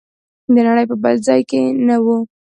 د نړۍ په بل ځای کې نه و.